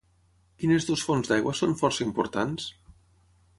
Quines dues fonts d'aigua són força importants?